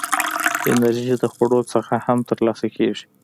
انرژي د خوړو څخه هم ترلاسه کېږي.